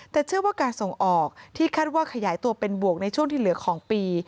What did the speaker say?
แต่เชื่อว่าการส่งออกที่คาดว่าขยายตัวเป็นบวกในช่วงที่เหลือของปี